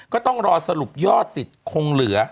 ก็ต้องรอสรุปยอดสิทธิ์คงเหลือ